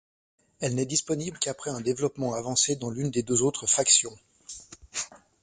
Elle n'est disponible qu'après un développement avancé dans l'une des deux autres factions.